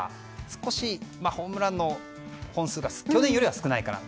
少しホームランの本数が去年よりは少ないかなと。